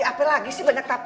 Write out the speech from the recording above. tapi apa lagi sih banyak tapi